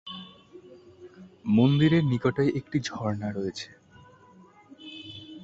মন্দিরের নিকটেই একটি ঝরনা রয়েছে।